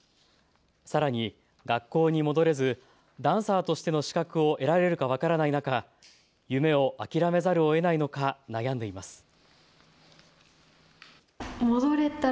さらに、学校に戻れず、ダンサーとしての資格を得られるか分からない中夢を諦めざるをえないのか悩んでいます。